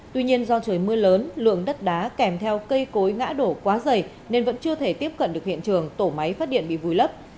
tuy nhiên do trời mưa lớn lượng đất đá kèm theo cây cối ngã đổ quá dày nên vẫn chưa thể tiếp cận được hiện trường tổ máy phát điện bị vùi lấp